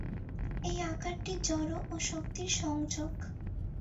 এই আকারটি জড় ও শক্তির সংযোগ।